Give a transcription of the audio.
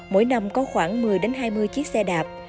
mỗi năm có khoảng một mươi hai mươi chiếc xe đạp